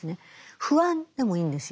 「不安」でもいいんですよ。